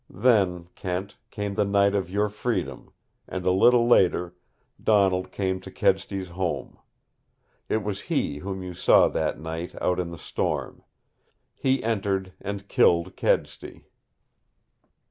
Then, Kent, came the night of your freedom, and a little later Donald came to Kedsty's home. It was he whom you saw that night out in the storm. He entered and killed Kedsty.